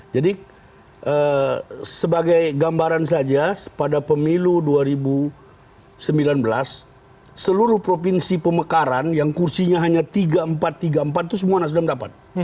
jadi sebagai gambaran saja pada pemilu dua ribu sembilan belas seluruh provinsi pemekaran yang kursinya hanya tiga empat tiga empat itu semua nasdem dapat